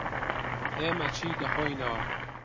ئێمە چی دەخۆینەوە؟